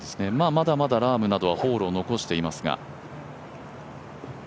まだまだラームなどはホールを残していますが。